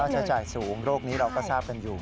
ใช้จ่ายสูงโรคนี้เราก็ทราบกันอยู่